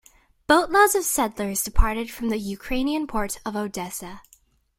Boatloads of settlers departed from the Ukrainian port of Odessa.